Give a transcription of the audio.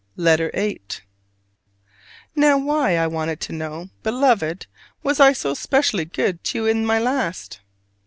LETTER VIII. Now why, I want to know, Beloved, was I so specially "good" to you in my last?